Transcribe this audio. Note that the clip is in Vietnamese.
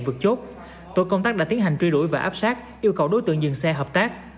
vượt chốt tội công tác đã tiến hành truy đuổi và áp sát yêu cầu đối tượng dừng xe hợp tác